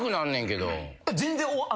全然。